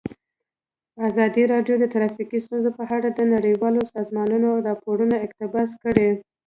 ازادي راډیو د ټرافیکي ستونزې په اړه د نړیوالو سازمانونو راپورونه اقتباس کړي.